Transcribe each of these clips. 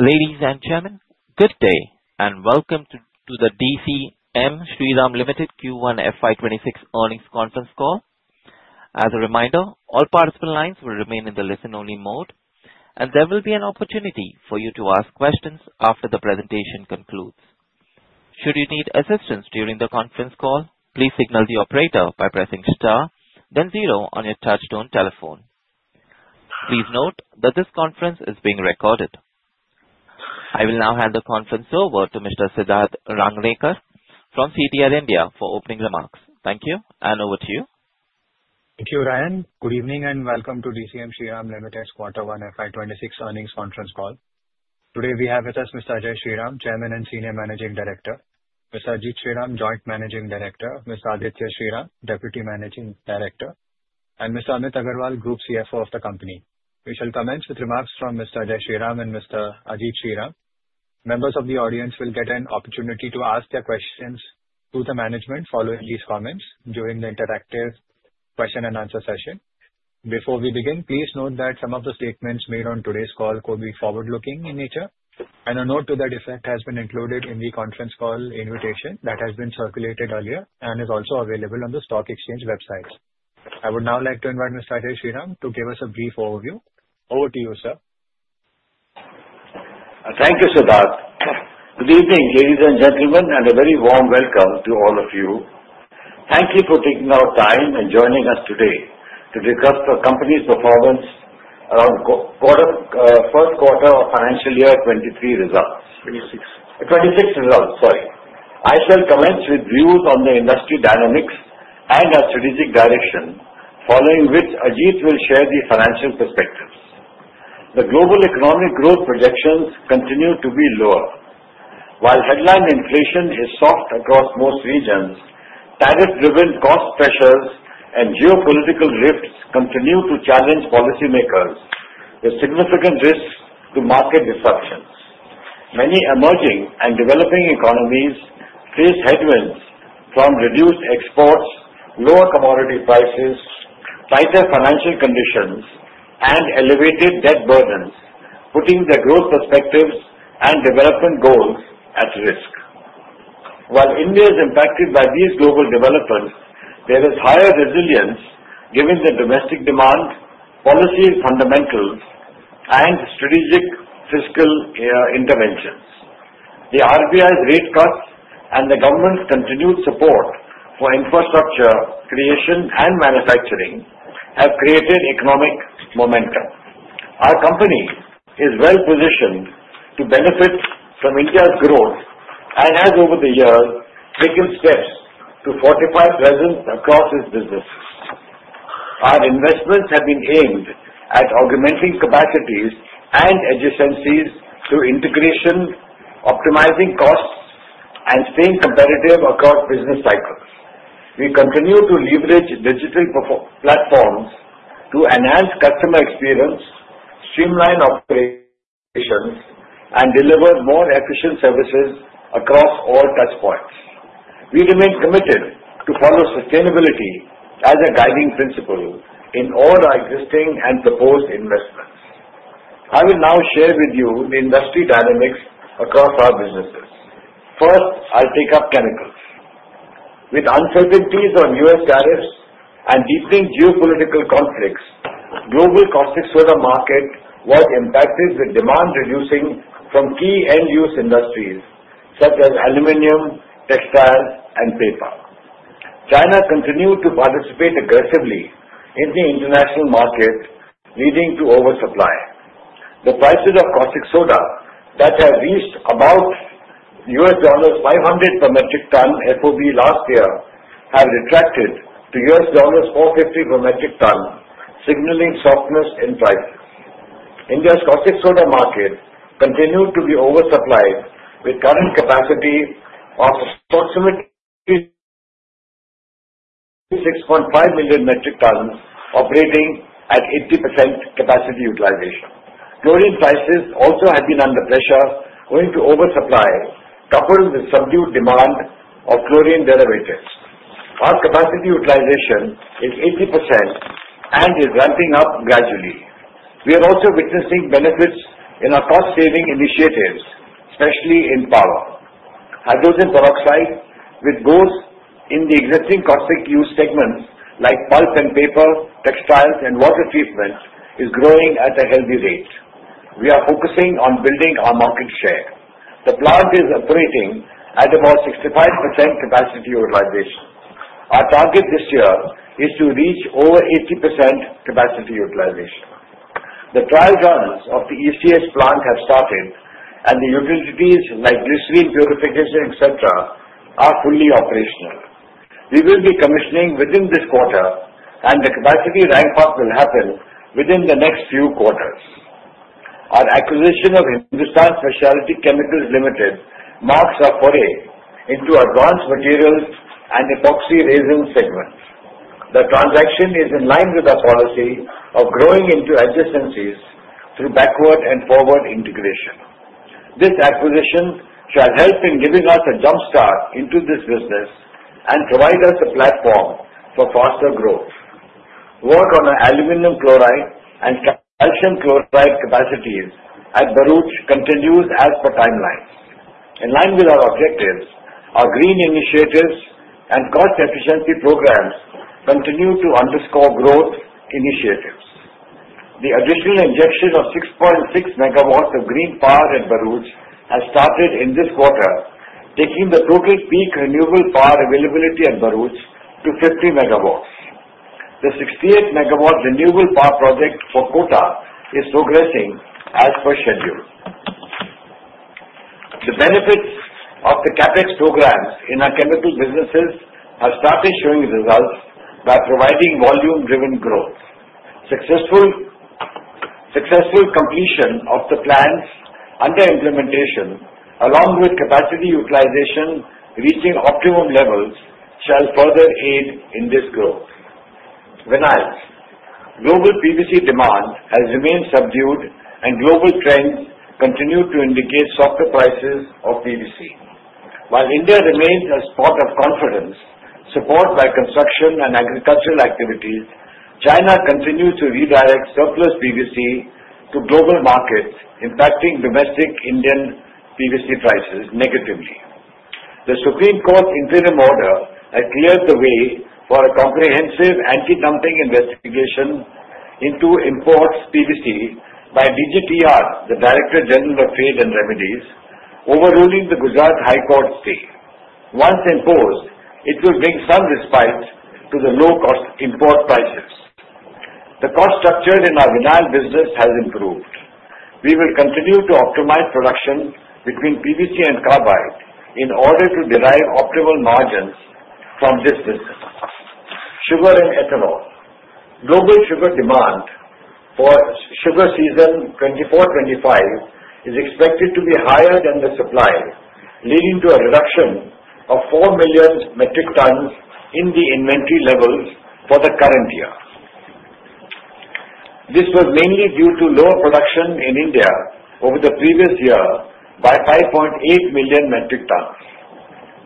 Ladies and gentlemen, good day and welcome to the DCM Shriram Ltd. Q1FY26 earnings conference call. As a reminder, all participant lines will remain in the listen-only mode and there will be an opportunity for you to ask questions after the presentation concludes. Should you need assistance during the conference call, please signal the operator by pressing star then zero on your touch-tone telephone. Please note that this conference is being recorded. I will now hand the conference over to Mr. Siddharth Ranglekar from CTL India for opening remarks. Thank you and over to you. Thank you, Ryan. Good evening and welcome to DCM Shriram Ltd. Q1 FY26 earnings conference call. Today we have with us Mr. Ajay Shriram. Shriram, Chairman and Senior Managing Director, Mr. Ajit Shriram, Joint Managing Director, Ms. Aditya Shriram, Deputy Managing Director, and Mr. Amit Agarwal, Group CFO of the company. We shall commence with remarks from Mr. Ajay Shriram and Mr. Ajit Shriram. Members of the audience will get an opportunity to ask their questions to the management following these comments during the interactive question and answer session. Before we begin, please note that some of the statements made on today's call could be forward looking in nature, and a note to that effect has been included in the conference call invitation that has been circulated earlier and is also available on the stock exchange website. I would now like to invite Mr. Ajay Sriram to give us a brief overview. Over to you, sir. Thank you, Siddharth. Good evening, ladies and gentlemen, and a very warm welcome to all of you. Thank you for taking out time and joining us today to discuss the company's performance around the first quarter of financial year 2023 results and 2026 results. Sorry. I shall commence with views on the industry dynamics and our strategic direction, following which Ajit will share the financial perspectives. The global economic growth projections continue to be lower, while headline inflation is soft across most regions. Tariff-driven cost pressures and geopolitical rifts continue to challenge policymakers. Significant risks to market disruptions remain. Many emerging and developing economies face headwinds from reduced exports, lower commodity prices, tighter financial conditions, and elevated debt burdens, putting their growth perspectives and development goals at risk. While India is impacted by these global developments, there is higher resilience given the domestic demand, policy fundamentals, and strategic fiscal interventions. The RBI's rate cuts and the government's continued support for infrastructure creation and manufacturing have created economic momentum. Our company is well positioned to benefit from India's growth and has over the years taken steps to fortify presence across its businesses. Our investments have been aimed at augmenting capacities and adjacencies through integration, optimizing costs, and staying competitive across business cycles. We continue to leverage digital platforms to enhance customer experience, streamline operations, and deliver more efficient services across all touch points. We remain committed to follow sustainability as a guiding principle in all our existing and proposed investments. I will now share with you the industry dynamics across our businesses. First, I'll take up chemicals. With uncertainties on U.S. tariffs and deepening geopolitical conflicts, the global caustic soda market was impacted, the demand reducing from key end use industries such as aluminum, textile, and paper. China continued to participate aggressively in the international market, leading to oversupply. The prices of caustic soda that have reached about $500 per metric ton FOB last year have retracted to $450 per metric ton, signaling softness in prices. India's caustic soda market continued to be oversupplied with current capacity of approximately 6.5 million metric tons operating at 80% capacity utilization. Chlorine prices also have been under pressure owing to oversupply coupled with subdued demand of chlorine derivatives. Our capacity utilization is 80% and is ramping up gradually. We are also witnessing benefits in our cost saving initiatives, especially in power. Hydrogen peroxide, both in the existing caustic use segments like pulp and paper, textiles, and water treatment, is growing at a healthy rate. We are focusing on building our market share. The plant is operating at about 65% capacity utilization. Our target this year is to reach over 80% capacity utilization. The trial runs of the ECS plant have started, and the utilities like glycerin purification, etc., are fully operational. We will be commissioning within this quarter, and the capacity ramp up will happen within the next few quarters. Our acquisition of Hindustan Specialty Chemicals Ltd. marks a foray into advanced materials and epoxy resins segments. The transaction is in line with our policy of growing into adjacencies through backward and forward integration. This acquisition shall help in giving us a jump start into this business and provide us a platform for faster growth. Work on aluminum chloride and calcium chloride capacities at Bharuch continues as per timeline in line with our objectives. Our green initiatives and cost efficiency programs continue to underscore growth initiatives. The additional injection of 6.6 megawatts of green power at Bharuch has started in this quarter, taking the total peak renewable power availability at Bharuch to 50 megawatts. The 68 megawatt renewable power project for Kota is progressing as per schedule. The benefits of the CapEx programs in our chemical businesses have started showing results by providing volume driven growth. Successful completion of the plans under implementation along with capacity utilization reaching optimum levels shall further aid in this growth. Vinyl global PVC demand has remained subdued, and global trends continue to indicate softer prices of PVC. While India remains a spot of confidence supported by construction and agricultural activities, China continues to redirect surplus PVC to global markets, impacting domestic Indian PVC prices negatively. The Supreme Court interim order has cleared the way for a comprehensive anti-dumping investigation into imports of PVC by DGTR, the Director General of Trade and Remedies, overruling the Gujarat High Court. Once imposed, it will bring some respite to the low cost import prices. The cost structure in our vinyl business has improved. We will continue to optimize production between PVC and carbide in order to derive optimal margins from this business. Sugar and Ethanol: Global sugar demand for sugar season 2024-2025 is expected to be higher than the supply, leading to a reduction of 4 million metric tons in the inventory levels for the current year. This was mainly due to lower production in India over the previous year by 5.8 million metric tons.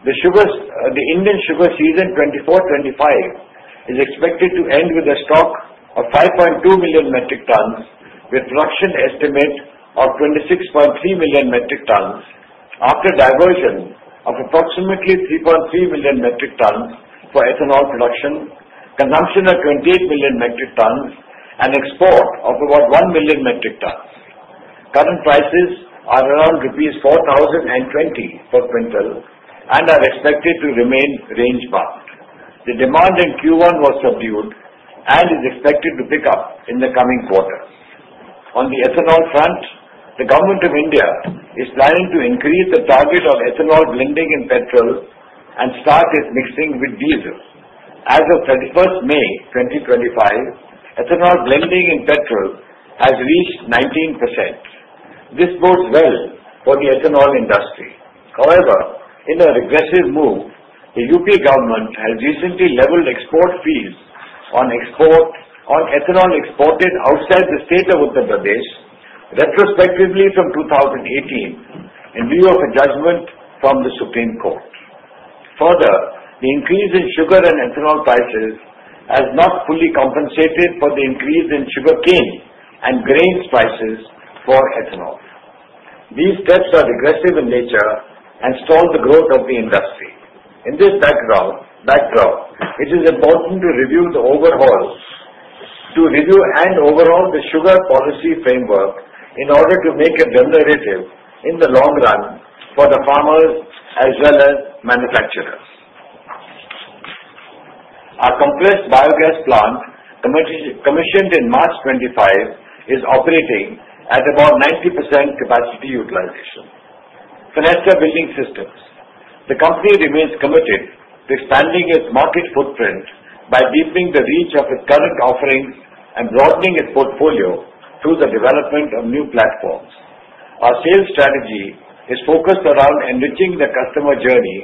The Indian sugar season 2024-2025 is expected to end with a stock of 5.2 million metric tons with a production estimate of 26.3 million metric tons after diversion of approximately 3.3 million metric tons for ethanol production, consumption of 28 million metric tons, and export of about 1 million metric tons. Current prices are around 4,020 for printl and are expected to remain range bound. The demand in Q1 was subdued and is expected to pick up in the coming quarter. On the ethanol front, the Government of India is planning to increase the target of ethanol blending in petrol and start mixing it with diesel. As of 31 May 2025, ethanol blending in petrol has reached 19%. This bodes well for the ethanol industry. However, in a regressive move, the Uttar Pradesh government has recently leveled export fees on ethanol exported outside the state of Uttar Pradesh retrospectively from 2018 in view of a judgment from the Supreme Court. Further, the increase in sugar and ethanol prices has not fully compensated for the increase in sugarcane and grain prices for ethanol. These steps are aggressive in nature and stall the growth of the industry. In this backdrop, it is important to review and overhaul the sugar policy framework in order to make it generative in the long run for the farmers as well as manufacturers. Our compressed biogas plant commissioned in March 2025 is operating at about 90% capacity utilization. Fenesta Building Systems: The company remains committed to expanding its market footprint by deepening the reach of its current offerings and broadening its portfolio through the development of new platforms. Our sales strategy is focused around enriching the customer journey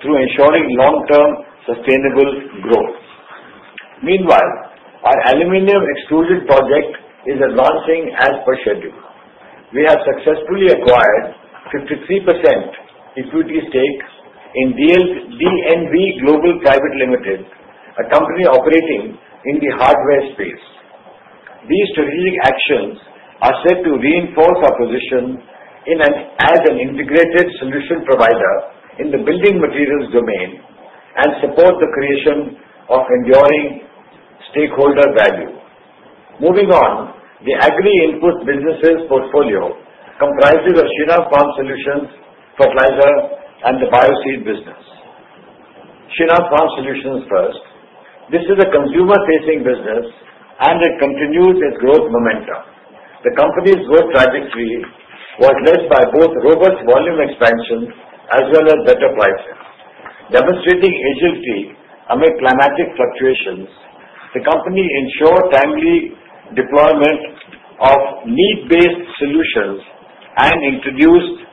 through ensuring long-term sustainable growth. Meanwhile, our aluminum extrusion project is launching as per schedule. We have successfully acquired a 53% equity stake in DNV Global Private Limited, a company operating in the hardware space. These strategic actions are said to reinforce our position as an integrated solution provider in the building materials domain and support the creation of enduring stakeholder value. Moving on, the agri input businesses portfolio comprises of Shriram Farm Solutions, Fertilizer, and the Bioseed business. Shriram Farm Solutions first. This is a consumer-facing business and it continues its growth momentum. The company's growth trajectory was led by both robust volume expansion as well as better prices. Demonstrating agility amid climatic fluctuations, the company ensured timely deployment of need-based solutions and introduced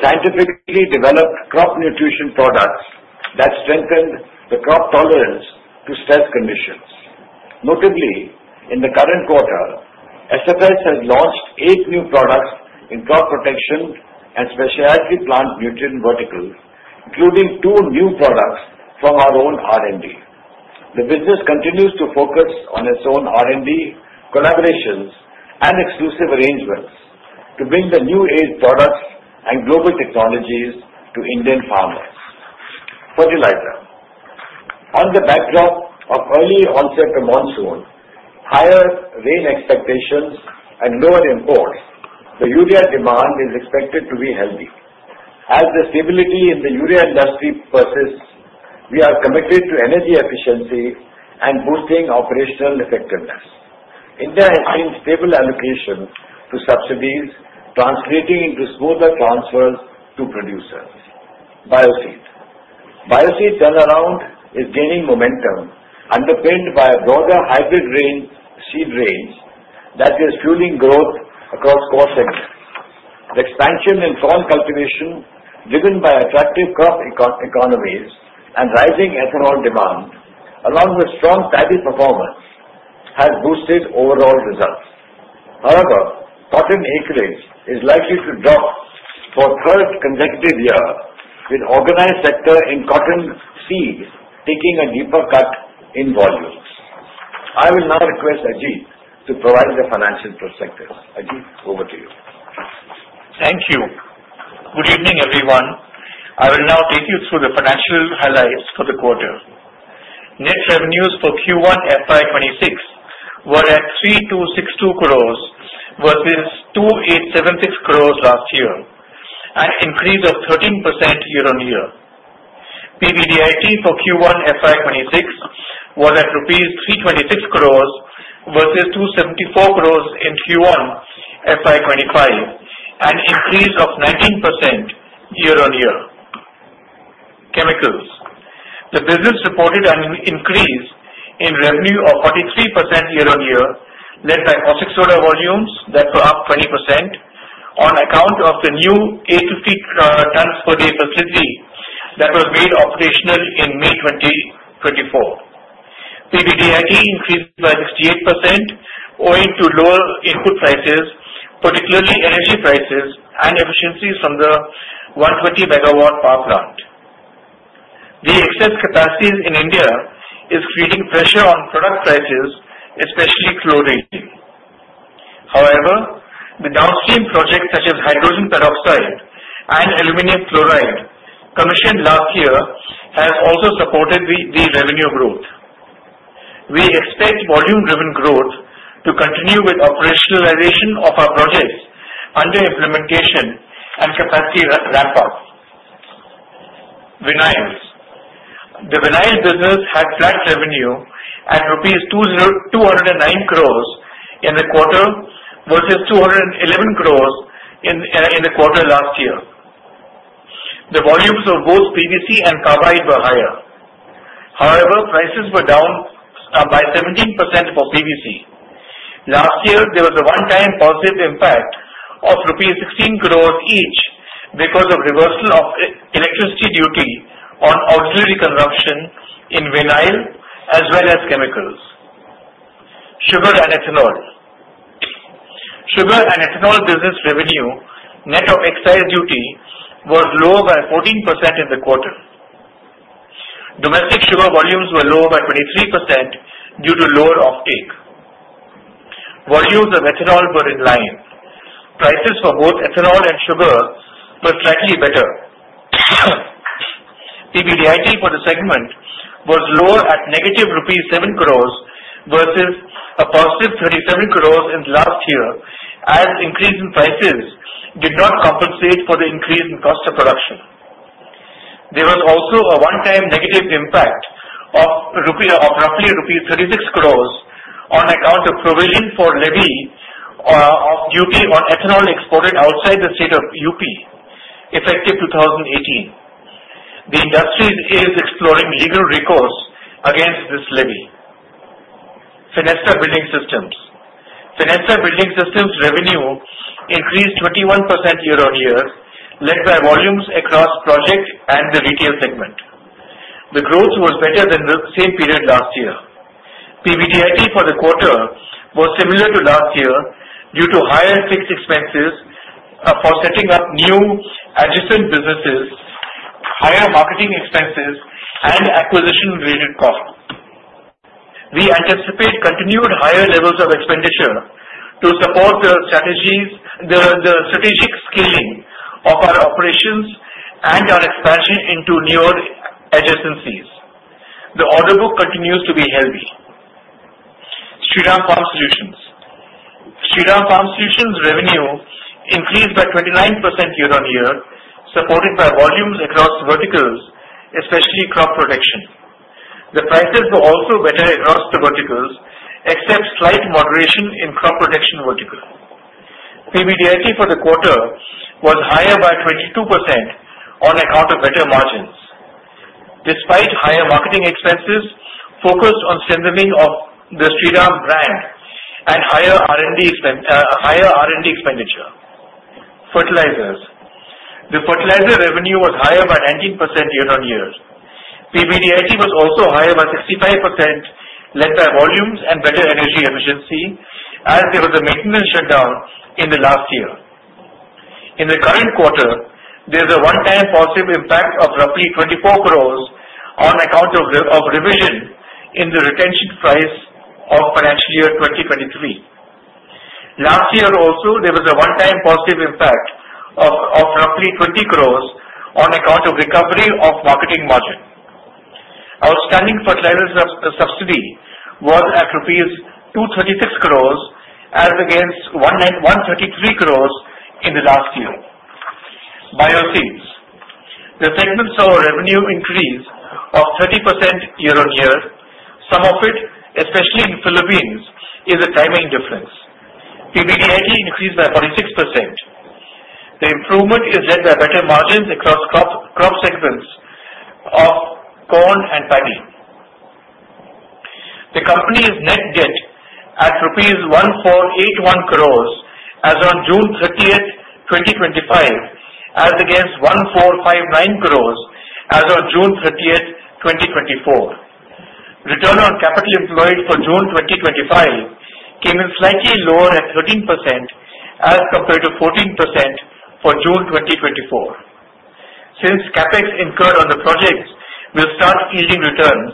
scientifically developed crop nutrition products that strengthened the crop tolerance to stress conditions. Notably, in the current quarter, Shriram Farm Solutions has launched eight new products in crop protection and specialty plant nutrient verticals, including two new products from our own R&D. The business continues to focus on its own R&D, collaborations, and exclusive arrangements to bring the new age products and global technologies to Indian farmers. Fertilizer, on the backdrop of early onset to monsoon, higher rain expectations, and lower imports, the urea demand is expected to be healthy. As the stability in the urea industry persists, we are committed to energy efficiency and boosting operational effectiveness. India has seen stable allocation to subsidies translating into smoother transfers to producers. Bioseed turnaround is gaining momentum, underpinned by a broader hybrid seed range that is fueling growth across core sectors. The expansion in soil cultivation driven by attractive crop economies and rising ethanol demand along with strong paddy performance has boosted overall results. However, cotton acreage is likely to drop for the third consecutive year with organized sector in cotton seed taking a deeper cut in volumes. I will now request Ajit to provide the financial perspective. Ajit, over to you. Thank you. Good evening everyone. I will now take you through the financial highlights for the quarter. Net revenues for Q1FY26 were at 3,262 crore versus 2,876 crore last year, an increase of 13% year on year. PBDIT for Q1FY26 was at rupees 326 crore versus 274 crore in Q1FY25, an increase of 19% year on year. Chemicals, the business reported an increase in revenue of 43% year on year led by caustic soda volumes that were up 20% on account of the new 850 tons per day facility that was made operational in May 2024. PBDIT increased by 68% owing to lower input prices, particularly energy prices, and efficiencies from the 120 megawatt power plant. The excess capacity in India is creating pressure on product prices, especially chlorine. However, the downstream projects such as hydrogen peroxide and aluminum chloride commissioned last year have also supported the revenue growth. We expect volume driven growth to continue with operationalization of our projects under implementation and capacity ramp up. Vinyls, the vinyl business had flat revenue at 209 crore rupees in the quarter versus 211 crore in the quarter last year. The volumes of both PVC and carbide were higher. However, prices were down by 17% for PVC last year. There was a one-time positive impact of INR 16 crore each because of reversal of electricity duty on auxiliary consumption in vinyl as well as chemicals. Sugar and ethanol, sugar and ethanol business revenue net of excise duty was lower by 14% in the quarter. Domestic sugar volumes were lower by 23% due to lower offtake. Volumes of ethanol were in line. Prices for both ethanol and sugar were slightly better. PBDIT for the segment was lower at rupees 7 crore versus a positive 37 crore in last year as increase in prices did not compensate for the increase in cost of production. There was also a one-time negative impact of roughly rupees 36 crore on account of prevailing for levy of duty on ethanol exported outside the state of Uttar Pradesh effective 2018. The industry is exploring legal recourse against this levy. Fenesta Building Systems revenue increased 21% year on year led by volumes across project and the retail segment. The growth was better than the same period last year. PBDIT for the quarter was similar to last year due to higher fixed expenses for setting up new adjacent businesses, higher marketing expenses, and acquisition-related cost. We anticipate continued higher levels of expenditure to support the strategic scaling of our operations and our expansion into newer adjacencies. The order book continues to be healthy. Shriram Farm Solutions revenue increased by 29% year on year supported by volumes across verticals, especially crop protection. The prices were also better across the verticals except slight moderation in crop protection vertical. PBDIT for the quarter was higher by 22% on account of better margins despite higher marketing expenses focused on strengthening of the Shriram brand and higher. R&D investments expenditure. Fertilizers the fertilizer revenue was higher by 19% year on year. PBDIT was also higher by 65% led by volumes and better energy efficiency as there was a maintenance shutdown in the last year. In the current quarter there's a one-time positive impact of roughly 24 crore on account of revision in the retention price of financial year 2023. Last year also there was a one-time positive impact of roughly 20 crore on account of recovery of marketing margin. Outstanding fertilizer subsidy was at rupees 236 crore as against 133 crore in the last year. Bioseed the segment saw a revenue increase of 30% year on year. Some of it, especially in Philippines, is a timing difference. PBDIT increased by 46%. The improvement is led by better margins across crop segments of corn and paddy. The company's net debt at INR 1,481 crore as on June 30, 2025, as against 1,459 crore as of June 30, 2024. Return on capital employed for June 2025 came in slightly lower than 13% as compared to 14% for June 2024 since CapEx incurred on the projects will start yielding returns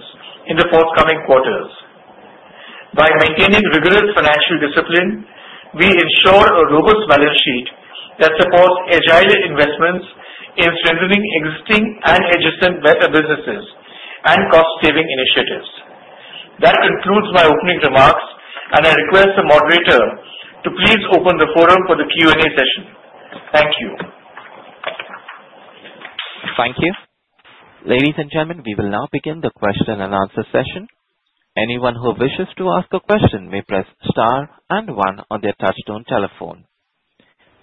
in the forthcoming quarters. By maintaining rigorous financial discipline, we ensure a robust balance sheet that supports agile investments in strengthening existing and adjacent better businesses and cost-saving initiatives. That concludes my opening remarks and I request the moderator to please open the forum for the Q and A session. Thank you. Thank you, ladies and gentlemen. We will now begin the question and answer session. Anyone who wishes to ask a question may press Star one on their touchstone telephone.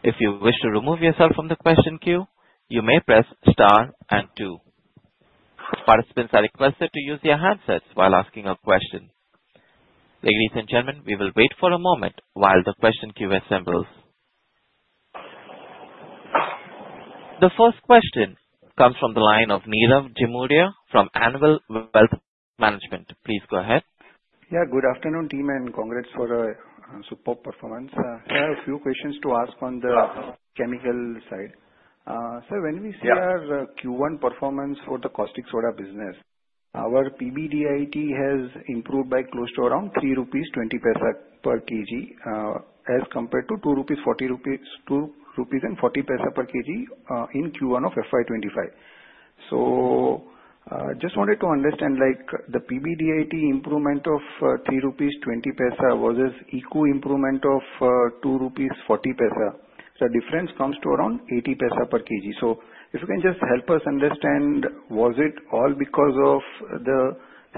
If you wish to remove yourself from the question queue, you may press Star and two. Participants are requested to use their handsets while asking a question. Ladies and gentlemen, we will wait for a moment while the question queue assembles. The first question comes from the line of Neerav Jimuria from Animal Wealth Management. Please go ahead. Yeah, good afternoon team and congrats for a superb performance. A few questions to ask on the chemical side, sir. When we see our Q1 performance for the caustic soda business, our PBDIT has improved by close to around 3.20 rupees per kg as compared to 2.40 rupees per kg in Q1 of FY2025. Just wanted to understand, like the PBDIT improvement of 3.20 rupees versus ECO improvement of 2.40 rupees. The difference comes to around 0.80 per kg. If you can just help us understand, was it all because of the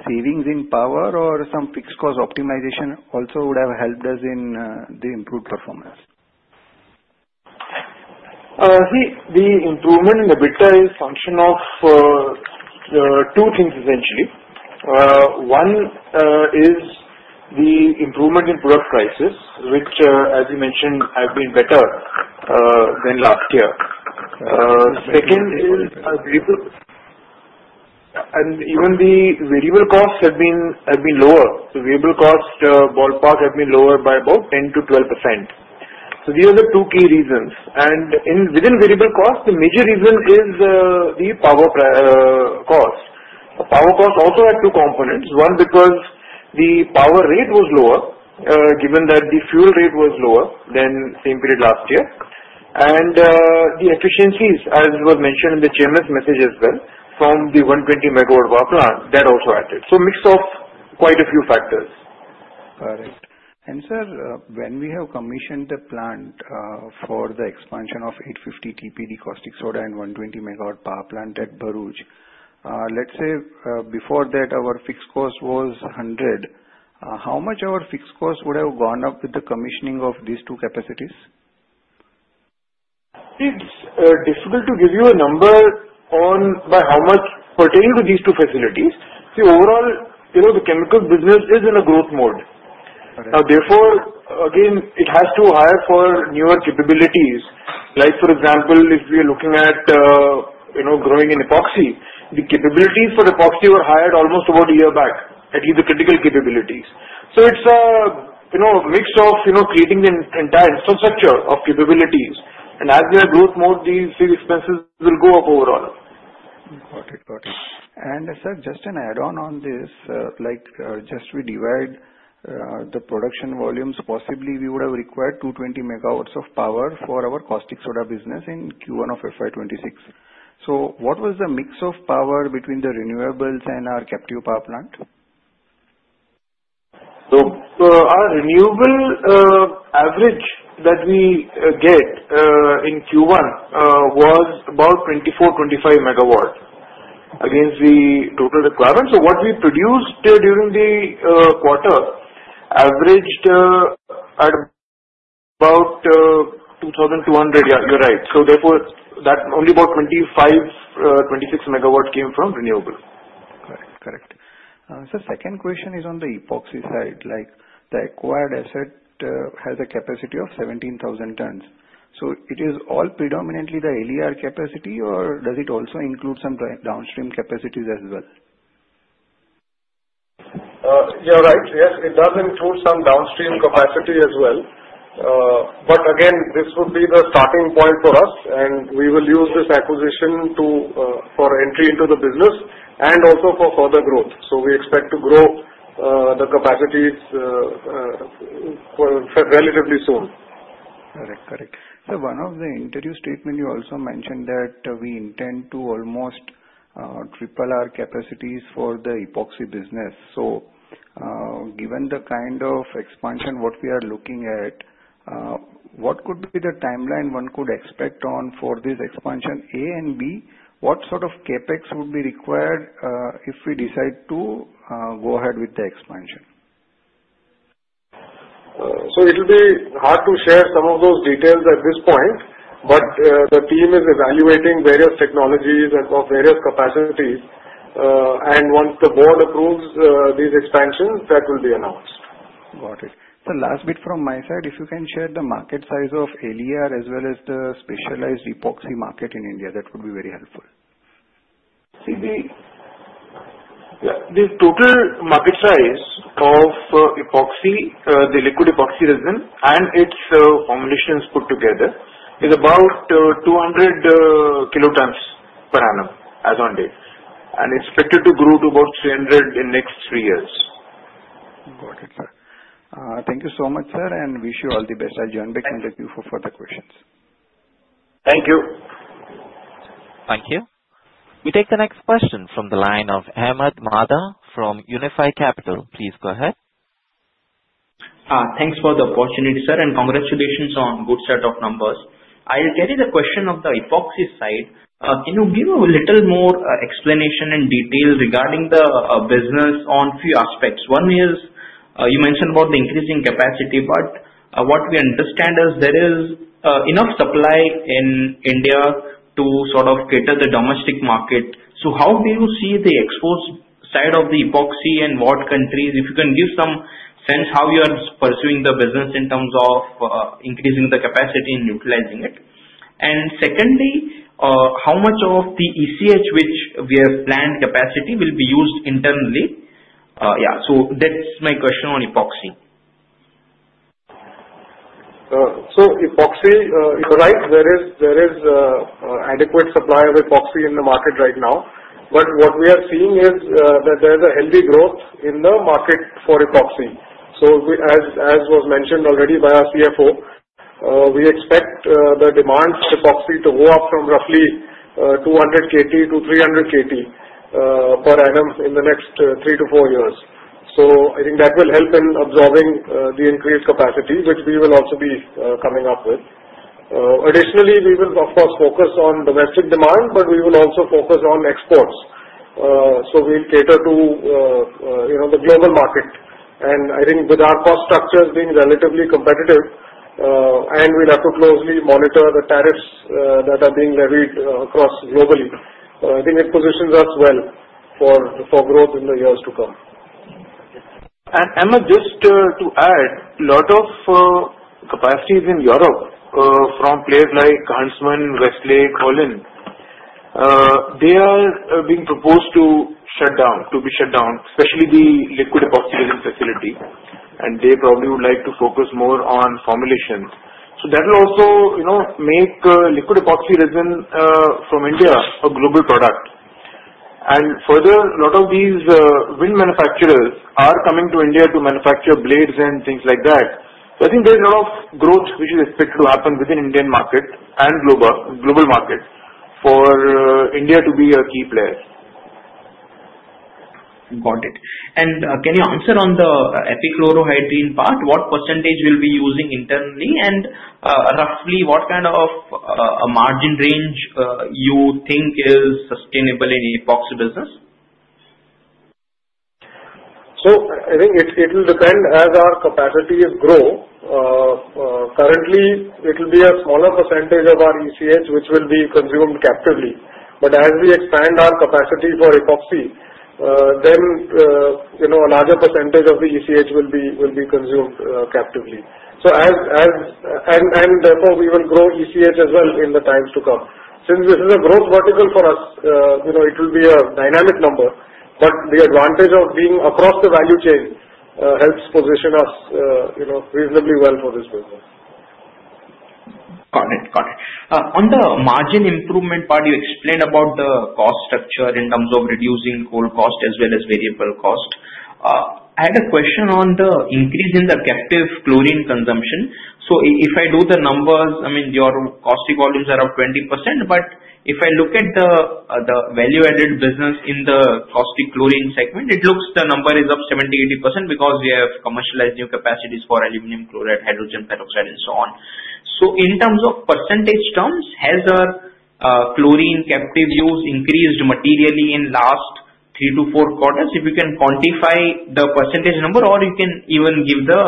savings in power or some fixed cost optimization also would have helped us in the improved performance. See, the improvement in EBITDA is a function of two things essentially. One is the improvement in product prices, which as you mentioned have been better than last year. Second is, even the variable costs have been lower. The variable cost, ballpark, have been lower by about 10 to 12%. These are the two key reasons. Within variable cost, the major reason is the power cost. Power cost also had two components. One, because the power rate was lower given that the fuel rate was lower than the same period last year, and the efficiencies, as was mentioned in the Chairman's message as well, from the 120 megawatt power plant, that also acted, so mix of. Quite a few factors. Correct. Sir, when we have commissioned the plant for the expansion of 850 TPD caustic soda and 120 megawatt power plant at Bharuch, let's say before that our fixed cost was 100, how much our fixed cost would have gone up with the commissioning of these two capacities. It's difficult to give you a number on by how much pertaining to these two facilities. The overall chemical business is in a growth mode now. Therefore, again it has to hire for newer capabilities. For example, if we are looking. At growing in epoxy, the capabilities for epoxy were hired almost about a year back, at least the critical capabilities. It's a mix of creating an. Entire infrastructure of capabilities, and as we have growth, more the expenses will go up overall. Got it, got it. Sir, just an add on on this, like just we divide the production volumes. Possibly we would have required 220 megawatts of power for our caustic soda business in Q1 of FY2026. What was the mix of power between the renewables and our captive power plant? Our renewable average that we get in Q1 was about 2,425 megawatt against the total requirements. What we produced during the quarter averaged at about 2,200. Yeah, you're right. Therefore, only about 2,526 megawatt came from renewable. Correct. Second question is on the epoxy side, like the acquired asset has a capacity of 17,000 tons. Is it all predominantly the LER capacity or does it also include some downstream capacities as well? You are right. Yes, it does include some downstream capacity as well. This would be the starting point for us, and we will use this acquisition for entry into the. Business and also for further growth. We expect to grow the capacities. Relatively soon. One of the interview statements, you also mentioned that we intend to almost triple our capacities for the epoxy business. Given the kind of expansion we are looking at, what could be the timeline one could expect for this expansion, and what sort of CapEx would be required if we decide to go ahead with the expansion? It will be hard to share some of those details at this point, but the team is evaluating various technologies and of various capacities, and once the board approves these expansions, that will be announced. Got it. The last bit from my side, if you can share the market size of LER as well as the specialized epoxy market in India, that would be very helpful. See. The total market size of epoxy. The liquid epoxy resin and its formulations put together is about 200 kilotons as on date, and expected to grow to about 300 in the next three years. Got it, sir. Thank you so much, sir, and wish you all the best. I'll join back in the queue for further questions. Thank you. Thank you. We take the next question from the line of Ahmed Madha from Unifi Capital. Please go ahead. Thanks for the opportunity, sir, and congratulations on a good set of numbers. I'll carry the question of the epoxy side. Can you give a little more explanation in detail regarding the business? On a few aspects, one is you mentioned about the increasing capacity. What we understand is there is enough supply in India to sort of cater the domestic market. How do you see the exports? side of the epoxy and what countries, if you can give some sense how you are pursuing the business in terms of increasing the capacity and utilizing it, and secondly, how much of the ECH which we have planned capacity will be used internally? That's my question on epoxy. Epoxy, you are right, there is adequate supply of epoxy in the market right now. What we are seeing is that there is a healthy growth in the market for epoxy. As was mentioned already by our CFO, we expect the demand for epoxy to go up from roughly 200 kt to 300 kt per annum in the next three to four years. I think that will help in absorbing the increased capacity which we will also be coming up with. Additionally, we will of course focus on domestic demand, but we will also focus on exports. We will cater to the global market. I think with our cost structures being relatively competitive and we'll have to closely monitor the tariffs that are being levied across globally, I think it positions us well for growth in the years to come. Ahmed, just to add, a lot of capacities in Europe from players like Huntsman, Westlake, Holland, are being proposed to be shut down, especially the liquid epoxy resin facility. They probably would like to focus more on formulation. That will also make liquid epoxy resin from India a global product. Further, a lot of these wind manufacturers are coming to India to manufacture blades and things like that. I think there is a lot. Of growth, which is expected to happen. Within Indian market and global market for India to be a key player. Got it. Can you answer on the epichlorohydrine part, what % will be using internally and roughly what kind of margin range you think is sustainable in epoxy business? I think it will depend as our capacities grow. Currently, it will be a smaller % of our ECH which will be consumed captively. As we expand our capacity for epoxy, then a larger % of the ECH will be consumed captively and therefore we will grow ECH as well in the times to come. Since this is a growth vertical for us, it will be a dynamic number. The advantage of being across the value chain helps position us reasonably well for this business. Got it, got it. On the margin improvement part, you explained about the cost structure in terms of reducing coal cost as well as variable cost. I had a question on the increase in the captive chlorine consumption. If I do the numbers, I mean your caustic volumes are up 20%. If I look at the value-added business in the caustic chlorine segment, it looks the number is up 70, 80% because we have commercialized new capacities for aluminum chloride, hydrogen peroxide, and so on. In percentage terms, has our chlorine captive use increased materially in the last three to four quarters? If you can quantify the percentage number or you can even give the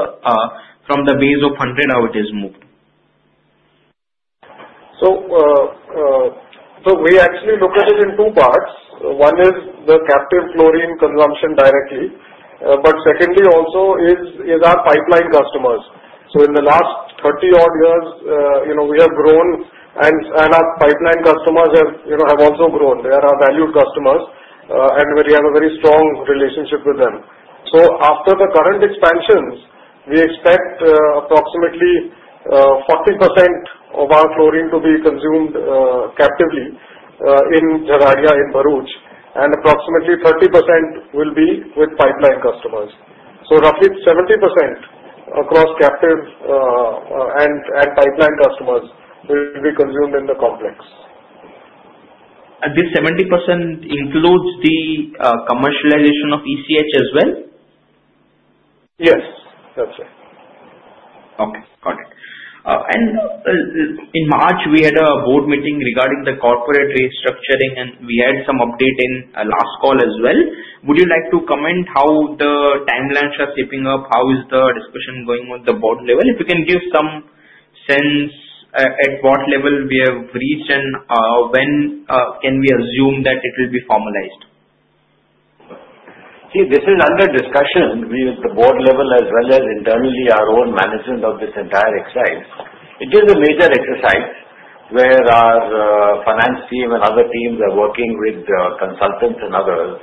from. The base of 100, how it is moved. We actually look at it in two parts. One is the captive chlorine consumption directly, but secondly also is our pipeline customers. In the last 30 odd years we have grown and our pipeline customers have also grown. They are our valued customers and we have a very strong relationship with them. After the current expansions we expect approximately 40% of our chlorine to be consumed captively in Bharuch, and approximately 30% will be with pipeline customers. Roughly 70% across captive and pipeline customers will be consumed in the complex. This 70% includes the commercialization of ECH as well. Yes. Okay, got it. In March we had a board meeting regarding the corporate restructuring, and we had some update in the last call as well. Would you like to comment how the timelines are shaping up? How is the discussion going on at the board level? If you can give some sense at what level we have reached and when can we assume that it will be formalized? This is under discussion with the board level as well as internally, our own management of this entire exercise. It is a major exercise where our finance team and other teams are working with consultants and others.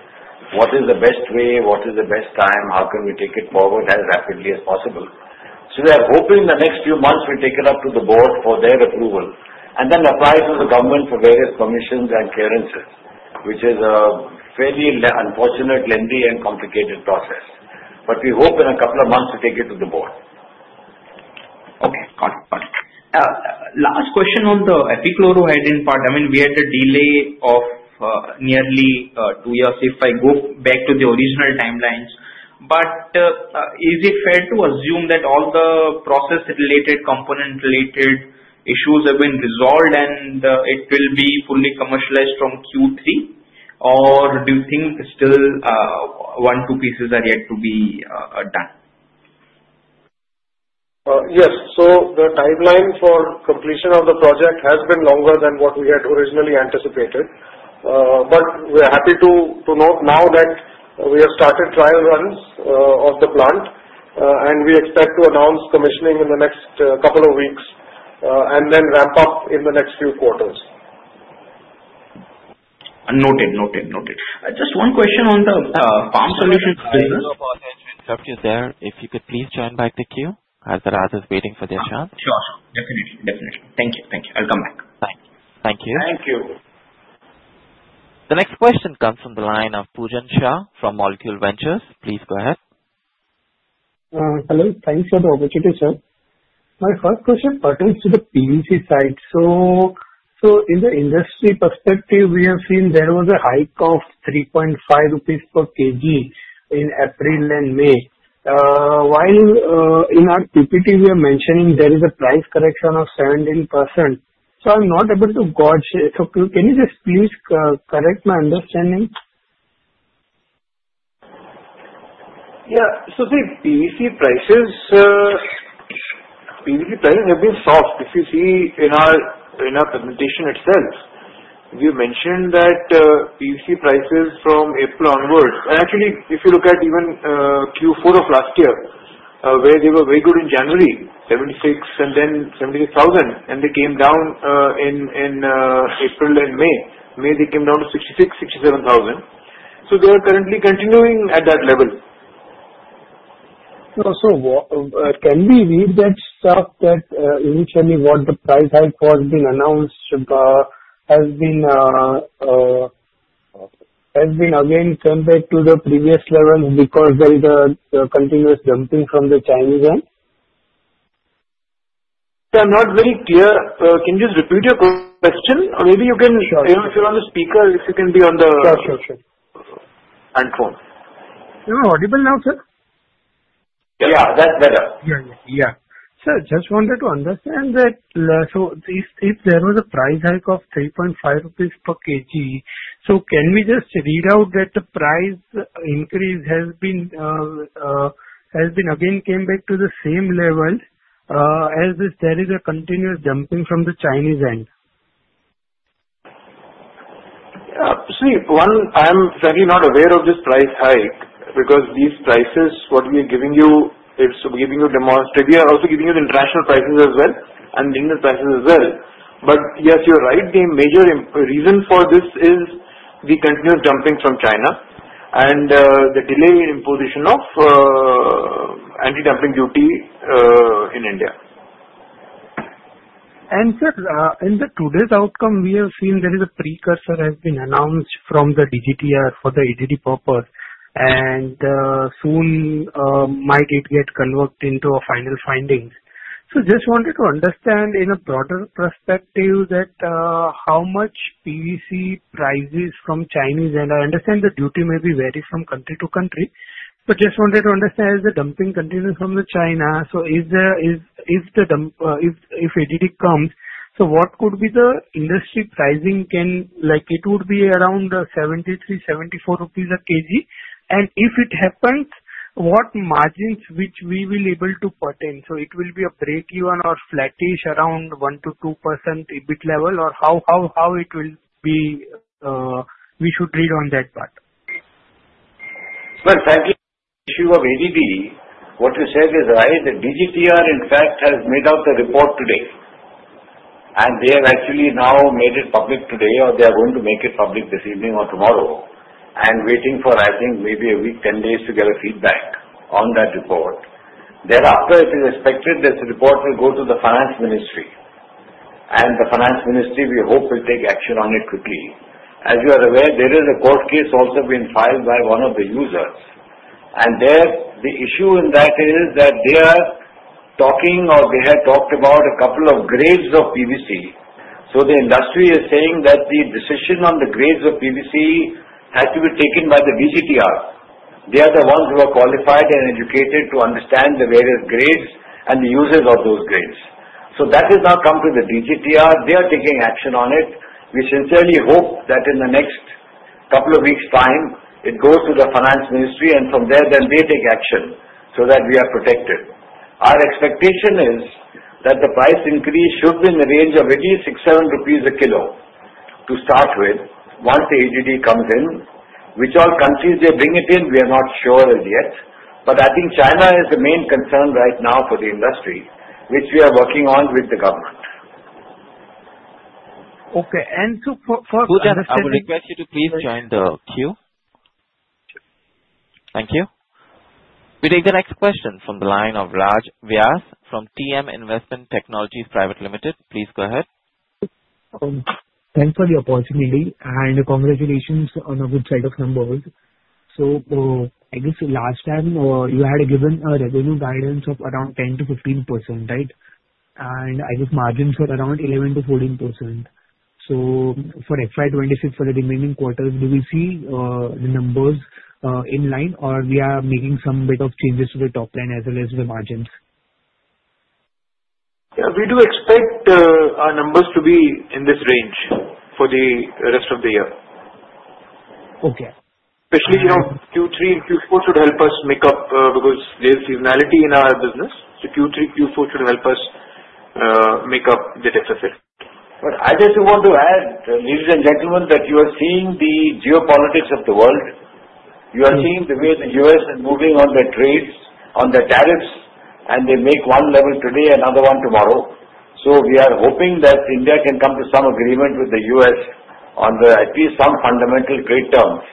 What is the best way, what is the best time? How can we take it forward as rapidly as possible? We are hoping the next few months we take it up to the board for their approval and then apply to the government for various permissions and clearances, which is a fairly unfortunate, lengthy, and complicated process, but we hope in a couple of months to take it to the board. Okay, got it. Last question on the epichlorohydrin part. I mean, we had a delay of nearly two years. If I go back to the original timelines, is it fair to assume that all the process-related, component-related issues have been resolved and it will be fully commercialized from Q3, or do you think still 12 pieces are yet to be done? Yes. The timeline for completion of the project has been longer than what we had originally anticipated. We are happy to note now that we have started trial runs of the plant, and we expect to announce commissioning in the next couple of weeks and then ramp up in the next few quarters. Noted, noted, noted. Just one question on the Shriram Farm Solutions business. If you could please join back the queue as Raj is waiting for their chance. Sure. Definitely. Definitely. Thank you. Thank you. I'll come back. Thank you. Thank you. The next question comes from the line of Poojan Shah from Molecule Ventures. Please go ahead. Hello. Thanks for the opportunity, sir. My first question pertains to the PC side. In the industry perspective, we have seen there was a hike of 3.5 rupees per kilogram in April and May. While in our PPT we are mentioning there is a price correction of 17%. I'm not able to gauge. Can you just please correct my understanding? Yes. PVC prices have been soft. If you see in our presentation itself, we mentioned that PVC prices from April onwards, actually if you look at even Q4 of last year where they were very good in January, 76,000, and then they came down in April and May. May they came down to 66,000, 67,000, so they are currently continuing at that level. Can we read that stuff that initially what the price hike was being announced has been. Has been again compared to the previous. Levels because there is a continuous jumping from the Chinese yuan. Not very clear. Can you repeat your question? Maybe if you're on the speaker, if you can be on the. Phone. Am I audible now, sir? Yeah, that's better. Sir, just wanted to understand that if there was a price hike of 3.5 rupees per kg, can we just read out that the price increase has again come back to the same level as there is a continuous jumping from the Chinese end. See, I am certainly not aware of this price hike because these prices, what we are giving you, is giving you, demonstrate we are also giving you the international prices as well. Yes, you are right, the major reason for this is we continue dumping from China and the delay in imposition of anti-dumping duty in India. In today's outcome, we have seen there is a precursor that has been announced from the DGTR for the EDD purpose and soon it might get converted into a final finding. I just wanted to understand in a broader perspective how much PVC prices from Chinese, and I understand the duty may vary from country to country. I just wanted to understand if the dumping continues from China, if EDD comes, what could be the industry pricing? Can it be around 73-74 rupees per kg, and if it happens, what margins will we be able to retain? Will it be break even or flattish around 1 to 2% EBIT level, or how should we read that part? Thank you. What you said is right that DGTR in fact has made out the report today and they have actually now made it public today or they are going to make it public this evening or tomorrow and waiting for, I think, maybe a week, 10 days to get a feedback on that report. Thereafter, it is expected that the report will go to the Finance Ministry and the Finance Ministry, we hope, will take action on it quickly. As you are aware, there is a court case also been filed by one of the users and there the issue in that is that they are talking or they had talked about a couple of grades of PVC. The industry is saying that the decision on the grades of PVC had to be taken by the DGTR. They are the ones who are qualified and educated to understand the various grades and the uses of those grades. That has now come to the DGTR. They are taking action on it. We sincerely hope that in the next couple of weeks' time it goes to the Finance Ministry and from there they take action so that we are protected. Our expectation is that the price increase should be in the range of at least 6.00 rupees, 7.00 a kilo to start with. Once the ADD comes in, which all countries they bring it in, we are not sure as yet, but I think China is the main concern right now for the industry, which we are working on with the government. Okay. I would request you to please join the queue. Thank you. We take the next question from the line of Raj Vyas from TM Investment Technologies Private Limited. Please go ahead. Thanks for the opportunity and congratulations on a good set of numbers. Last time you had given a revenue guidance of around 10% to 15%, right. I guess margins were around 11% to 14%. For FY2026 for the remaining quarters, do we see the numbers in line or are we making some bit of changes to the top line as well as the margins. We do expect our numbers to be in this range for the rest of the year. Especially, you know, Q3 and Q4 should help us make up because there is seasonality in our business. Q3 and Q4 should help us make up the deficit. I just want to add, ladies and gentlemen, that you are seeing the geopolitics of the world, you are seeing the way the U.S. is moving on their trades, on the tariffs, and they make one level today, another one tomorrow. We are hoping that India can come to some agreement with the U.S. on at least some fundamental great terms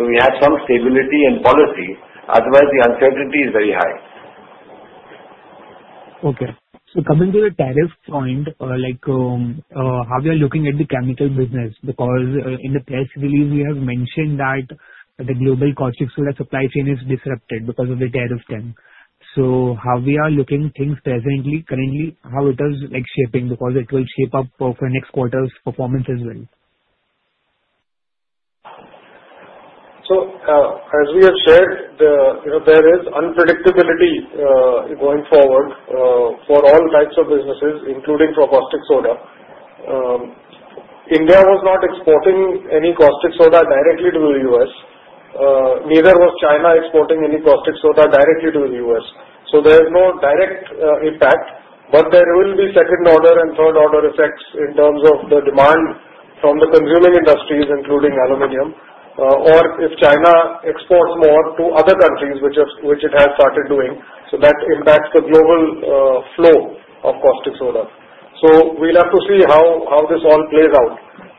so we have some stability in policy. Otherwise, the uncertainty is very high. Okay, so coming to the tariff point, like how we are looking at the chemical business, because in the press release we have mentioned that the global caustic soda supply chain is disrupted because of the tariff, so how we are looking at things presently, currently how it is shaping because it will shape up for next quarter's performance as well. As we have shared, there is unpredictability going forward for all types of businesses, including for caustic soda. India was not exporting any caustic soda directly to the U.S. Neither was China exporting any caustic soda directly to the U.S. There is no direct impact. There will be second order and. Third order effects in terms of the demand from the consuming industries including aluminum. If China exports more to other countries, which it has started doing, that impacts the global flow of caustic soda. We will have to see how this all plays out.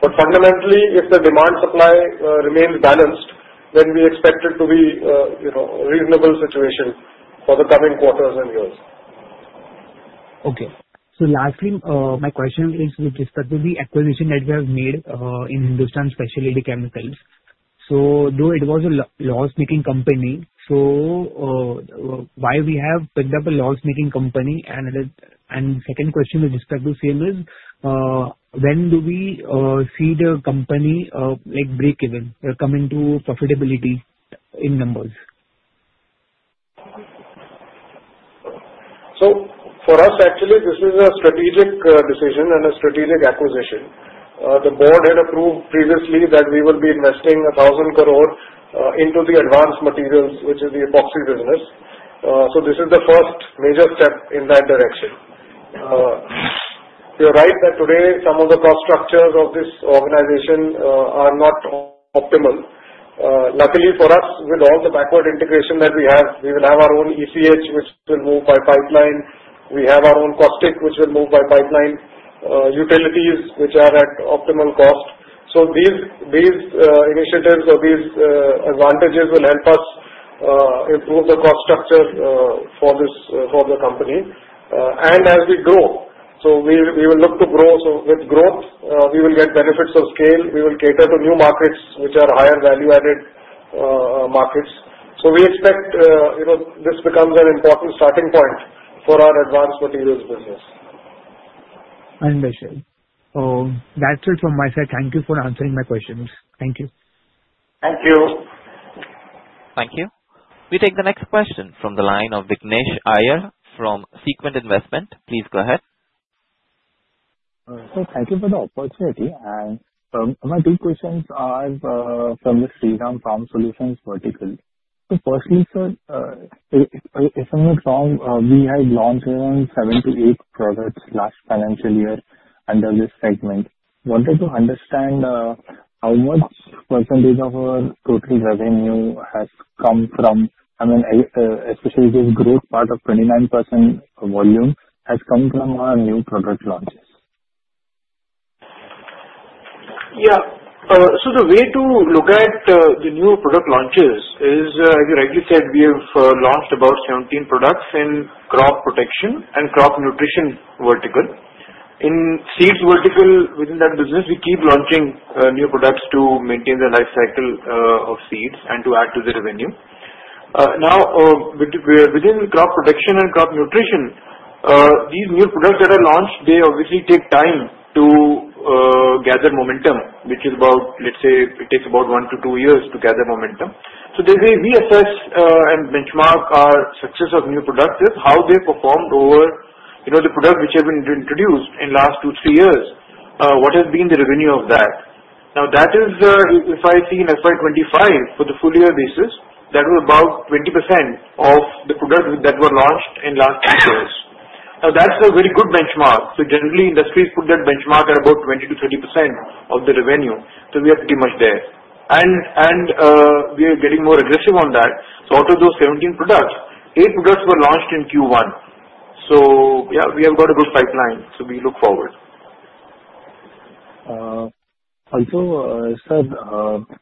Fundamentally, if the demand supply remains balanced, then we expect it to be a reasonable situation for the coming quarters and years. Okay, so lastly my question is with respect to the acquisition that we have made in Hindustan Specialty Chemicals. Though it was a loss making company, why have we picked up a loss making company? My second question is with respect to CMS, when do we see the company like breakeven coming to profitability in numbers? This is actually a strategic decision and a strategic acquisition for us. The board had approved previously that we will be investing 1,000 crore into the advanced materials, which is the epoxy business. This is the first major step in that direction. You are right that today some of the cost structures of this organization are not optimal. Luckily for us, with all the backward integration. Integration that we have, we will have our own ECH which will move by pipeline. We have our own caustic which will move by pipeline. Utilities which are at optimal cost. These initiatives or these advantages will help us improve the cost structure for the company. As we grow, we will look to grow. With growth we will get benefits of scale. We will cater to new markets which are higher value added markets. We expect this becomes an important starting point for our advanced materials business. Understood? That's it from my side. Thank you for answering my questions. Thank you. Thank you. Thank you. We take the next question from the line of Vignesh Iyer from Sequent Investment. Please go ahead. Thank you for the opportunity. My two questions are from the Shriram Farm Solutions vertical. Firstly, if I'm not wrong, we had launched around seven to eight products last financial year under this segment. I wanted to understand how much % of our total revenue has come from, I mean especially this growth part of 29% volume, has come from our new product launches. Yeah. The way to look at the new product launches is, as you rightly said, we have launched about 17 products in crop protection and crop nutrition vertical, in seeds vertical. Within that business we keep launching new products to maintain the life cycle of seeds and to add to the revenue. Now within crop production and crop nutrition, these new products that are launched obviously take time to gather momentum, which is about, let's say, it takes about one to two years to gather momentum. The way we assess and benchmark. Our success of new products is how. They performed over the product which have been introduced in last two, three years. What has been the revenue of that? Now, that is if I see in. FY25 for the full year basis, that was about 20% of the product. Were launched in the last three years. Now that's a very good benchmark. Generally, industries put that benchmark at about 20% to 30% of the revenue. We are pretty much there, and we are getting more aggressive on that. Out of those 17 products, eight products were launched in Q1. We have got a good pipeline, so we look forward. Also sir,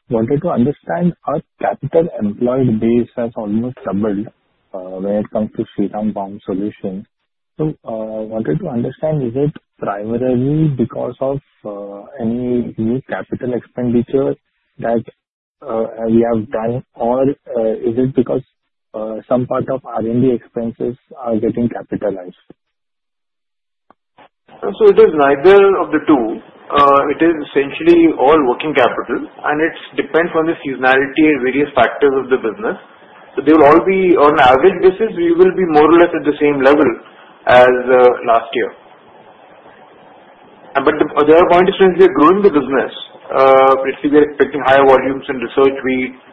wanted to understand our capital employed base has almost doubled when it comes to Shriram Farm Solutions. I wanted to understand is it primarily because of any new CapEx that we have done or is it because some part of R&D expenses are getting capitalized? It is neither of the two. It is essentially all working capital and it depends on the seasonality and various factors of the business. They will all on average basis be more or less at the same level as last year. The other point is we are growing the business. We are expecting higher volumes in research,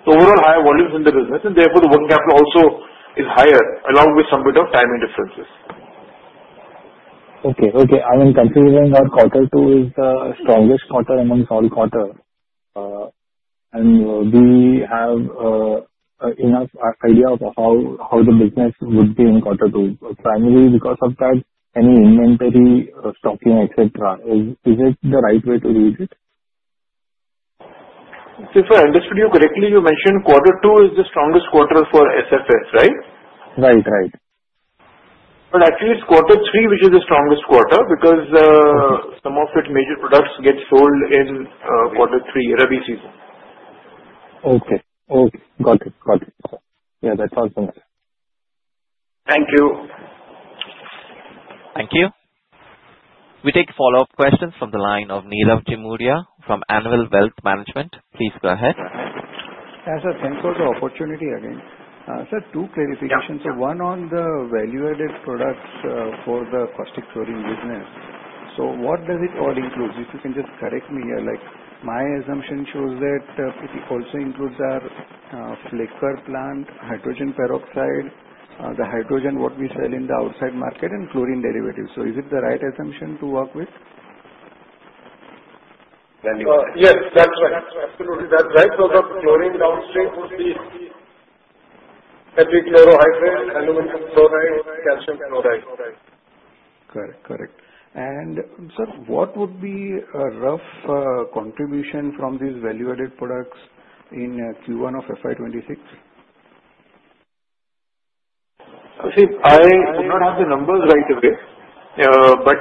overall higher volumes in the business, and therefore the working capital also is higher along with some bit of timing differences. Okay. I mean considering our quarter two is the strongest quarter amongst all quarters and we have enough idea of how the business would be in quarter two primarily because of that, any inventory, stocking, etc. Is it the right way to read it? If I understood you correctly, you mentioned quarter two is the strongest quarter for Shriram Farm Solutions. Right? Right, right. Actually, it's quarter three which is. The strongest quarter because some of its. Major products get sold in quarter three, Rabi season. Okay, got it. Got it. Yeah. That's all from Sir. Thank you. Thank you. We take follow up questions from the line of Neerav Jamuria from Annual Wealth Management. Please go ahead. Sir, thanks for the opportunity again, sir, two clarifications, one on the value-added products for the caustic soda business. What does it all include? If you can just correct me here, like my assumption shows that it also includes our Flaker plant, hydrogen peroxide, the hydrogen we sell in the outside market, and chlorine derivatives. Is it the right assumption to work with? Yes, that's right. Absolutely, that's right. The chlorine downstream would be epoxy, chlorohydrin, aluminum. Correct? Correct. What would be a rough contribution from these value-added products in Q1 of FY26? See, I don't have the numbers right away, but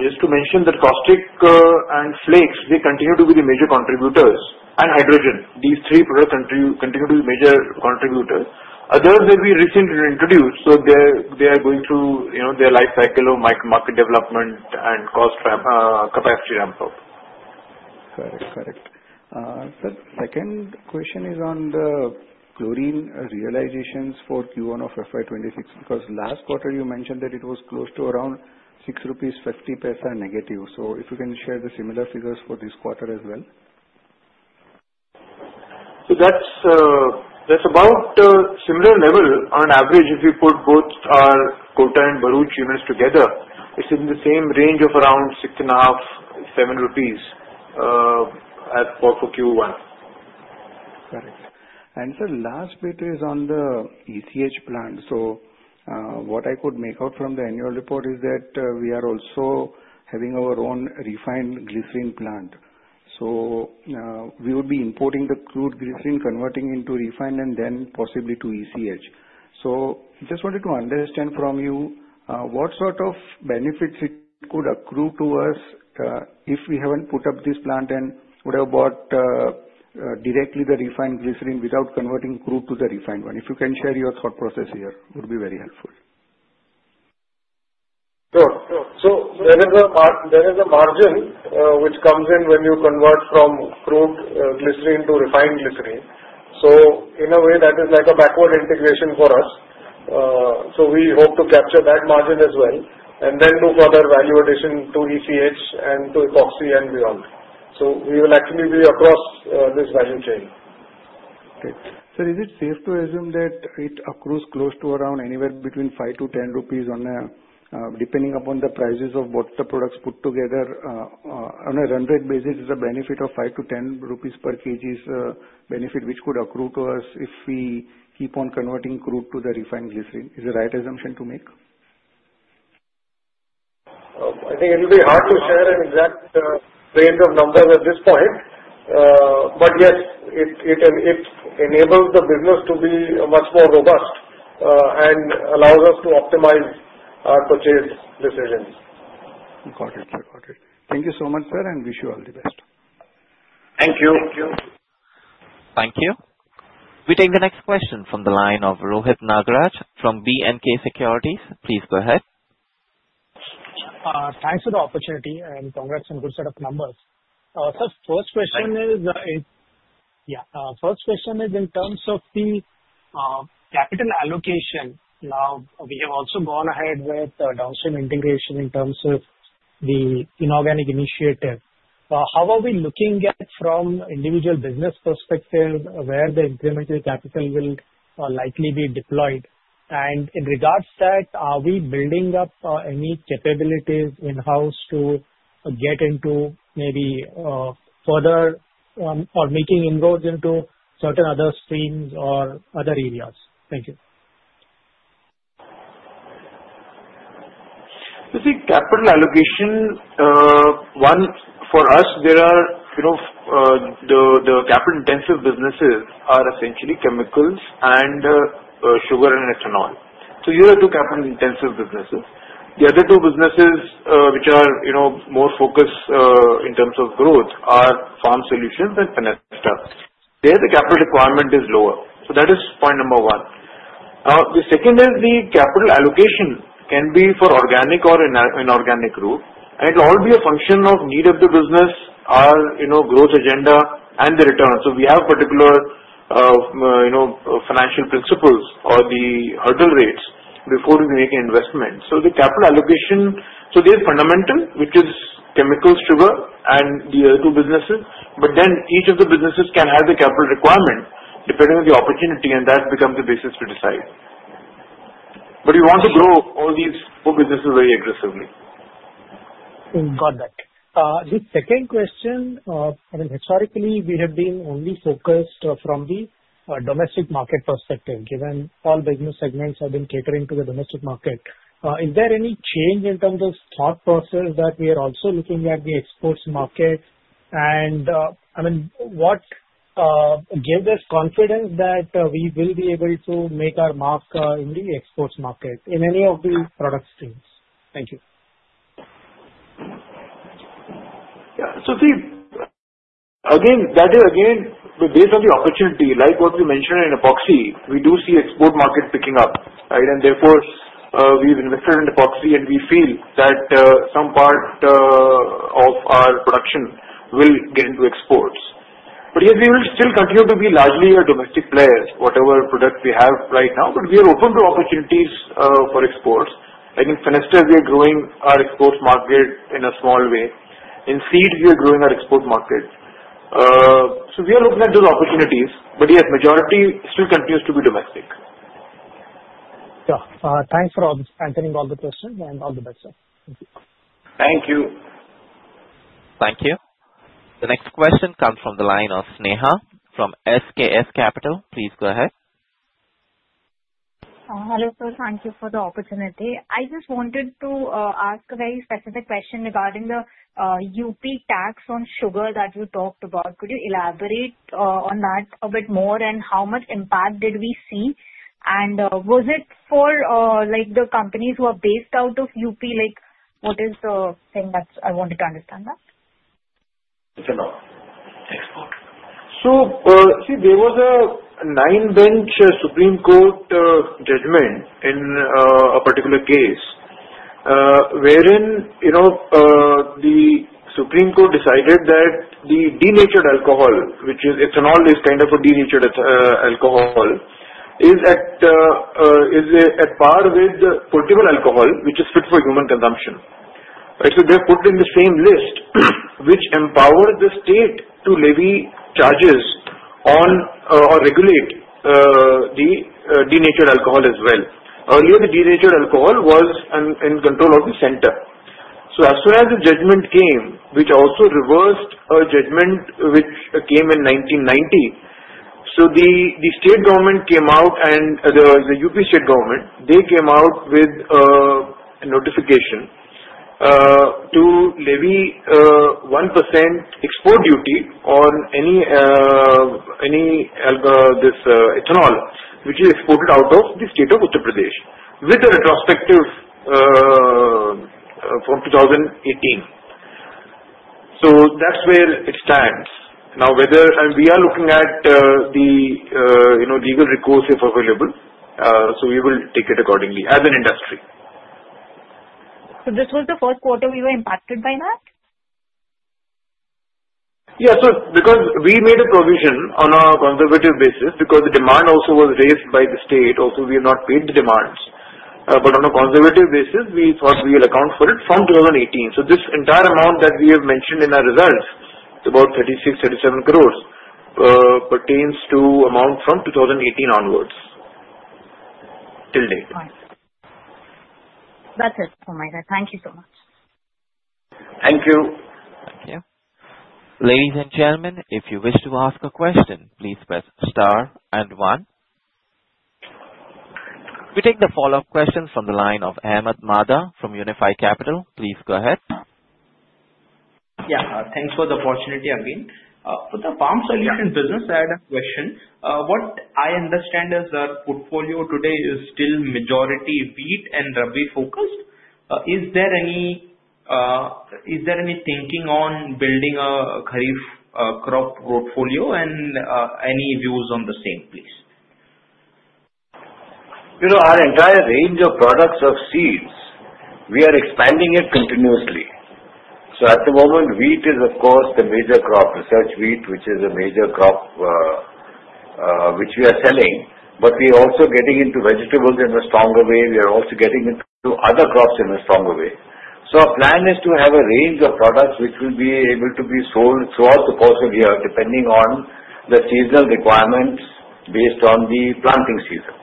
just to mention that caustic and flakes, they continue to be the major contributors, and hydrogen, these three product categories, major contributors. Others that we recently introduced, they are going through their life cycle of market development and cost capacity ramp up. Correct? Correct. Second question is on the chlorine realizations for Q1 of FY2026 because last quarter you mentioned that it was close to around 6.50 rupees negative. If you can share the similar figures for this quarter as well. That's about similar level on average. If you put both our Kota and Bharuch units together, it's in the same range of around 6.57 rupees as for Q1. Correct. Sir, last bit is on the ECH plan. What I could make out from the annual report is that we are also having our own refined glycerine plant. We would be importing the crude glycerine, converting into refined, and then possibly to ECH. I just wanted to understand from you what sort of benefits it could accrue to us if we hadn't put up this plant and would have bought directly the refined glycerine without converting crude to the refined one. If you can share your thought processes, it would be very helpful. There is a margin which comes in when you convert from crude glycerine to refined glycerine. In a way that is like a backward integration for us. We hope to capture that margin as well and then do further value addition to ECH and to epoxy and beyond. We will actually be across this value chain. Sir, is it safe to assume that it accrues close to around anywhere between 5 to 10 rupees on a depending upon the prices of what the products put together on a run rate basis, is a benefit of 5 to 10 rupees per kg benefit which could accrue to us if we keep on converting crude to the refined glycerin, is the right assumption to make. I think it will be hard to share an exact range of numbers at this point. Yes, it enables the business to be much more robust and allows us to optimize our purchase decisions. Got it, got it. Thank you so much, sir, and wish. You all the best. Thank you. Thank you. We take the next question from the line of Rohit Nagaraj from BNK Securities. Please go ahead. Thanks for the opportunity and congrats on a good set of numbers. First question is in terms of the capital allocation. Now we have also gone ahead with downstream integration in terms of the inorganic initiative. How are we looking at from individual business perspective where the incremental capital will likely be deployed, and in regards to that, are we building up any capabilities in house to get into maybe further or making inroads into certain other streams or other areas? Thank you. See, capital allocation, one, for us there are, you know, the capital intensive businesses are essentially chemicals and sugar and ethanol. These are two capital intensive businesses. The other two businesses which are more focused in terms of growth are Shriram Farm Solutions and Fenesta. There the capital requirement is lower. That is point number one. The second is the capital allocation can be for organic or inorganic growth, and it will all be a function of need of the business, our growth agenda, and the return. We have particular financial principles or the hurdle rates before we make an investment. The capital allocation, so there's fundamental, which is chemicals, sugar, and the other two businesses. Then each of the businesses can. Have the capital requirement depending on the. Opportunity, and that becomes the basis to decide. You want to grow all these four businesses very aggressively. Got that? The second question, I mean historically we have been only focused from the domestic market perspective. Given all business segments have been catering to the domestic market, is there any change in terms of thought process that we are also looking at the exports market? What gives us confidence that we will be able to make our mark in the exports market in any of the product states? Thank you. That is again based on the opportunity like what we mentioned in epoxy, we do see export market picking up and therefore we've invested in epoxy and we feel that some part of our production will get into exports. Yes, we will still continue to be largely a domestic player. Whatever product we have right now will be. We are open to opportunities for exports. Like in Fenesta, we are growing our exports market in a small way. In seeds, we are growing our export market. We are looking at those opportunities, yet majority still continues to be domestic. Thanks for answering all the questions and all the best, sir. Thank you. Thank you. The next question comes from the line of Sneha from SKS Capital. Please go ahead. Hello sir. Thank you for the opportunity. I just wanted to ask a very specific question. Regarding the Uttar Pradesh tax on sugar that you talked about, could you elaborate on that a bit more? How much impact did we see, and was it for the companies who are based out of Uttar Pradesh? What is the thing that I wanted to understand, if or not. There was a nine bench Supreme Court judgment in a particular case wherein the Supreme Court decided that the denatured alcohol, which is ethanol, is kind of a denatured alcohol, is at par with potable alcohol, which is fit for human consumption. They put in the same list, which empowered the state to levy charges on or regulate the denatured alcohol as well. Earlier, the denatured alcohol was in control of the center. As soon as the judgment came, which also reversed a judgment which came in 1990, the state government came out and the Uttar Pradesh government came out with notification to levy 1% export duty on any ethanol which is exported out of the state of Uttar Pradesh. With a retrospective export duty. From 2018, that's where it stands now, whether we are looking at the, you know, legal recourse if available. We will take it accordingly as an industry. This was the first quarter we were impacted by that. Yes sir. Because we made a provision on a. Conservative basis because the demand also was. Raised by the state also, we have not paid the demands, but on a conservative basis, we thought we will account for it from 2018. This entire amount that we have mentioned in our results, about 36-37 crore, pertains to amount from 2018 onwards till date. That's it. Thank you so much. Thank you. Ladies and gentlemen, if you wish to ask a question, please press star and 1. We take the follow-up questions from the line of Ahmed Madha from Unified Capital. Please go ahead. Yeah, thanks for the opportunity again. The Shriram Farm Solutions business. I had a question. What I understand is our portfolio today is still majority wheat and ruby focused. Is there any thinking on building a Kharif crop portfolio and any views on the same, please? You know, our entire range of products of seeds, we are expanding it continuously. At the moment wheat is of course the major crop. Research wheat, which is a major crop which we are selling. We are also getting into vegetables in a stronger way. We are also getting into other crops in a stronger way. Our plan is to have a range of products which will be able to be sold throughout the course of the year depending on the seasonal requirements based on the planting season.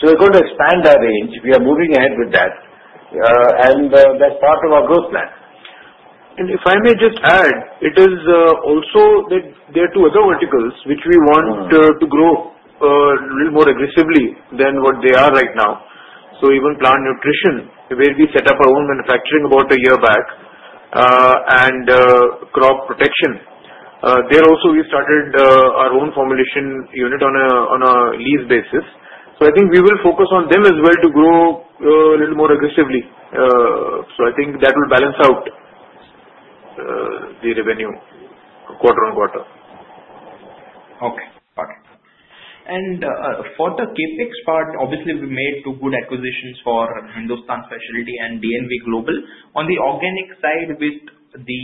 We are going to expand our range. We are moving ahead with that and that's part of our growth plan. If I may just add, it is also that there are two other verticals which we want to grow more aggressively than what they are right now. Even plant nutrition where we set up our own manufacturing about a year back and crop protection, there also we started our own formulation unit on a lease basis. I think we will focus on them as well to grow a little more aggressively. I think that will balance out the revenue quarter on quarter. Okay. For the CapEx part, obviously we made two good acquisitions for Hindustan Specialty Chemicals and DNV Global. On the organic side, with the